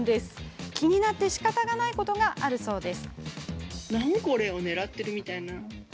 気になってしかたがないことがあるそうです。